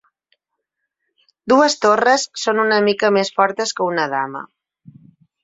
Dues torres són una mica més fortes que una dama.